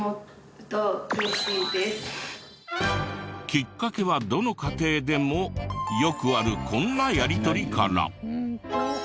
きっかけはどの家庭でもよくあるこんなやり取りから。